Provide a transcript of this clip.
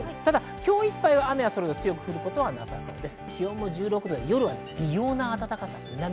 今日いっぱい、雨が強く降ることはなさそうです。